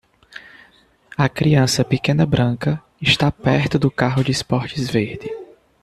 A criança pequena branca está perto do carro de esportes verde.